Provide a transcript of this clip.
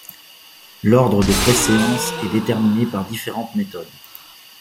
L'ordre de préséance est déterminé par différentes méthodes.